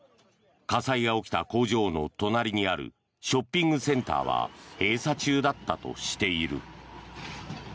火災が起きた工場の隣にあるショッピングセンターは閉鎖中だったとしている。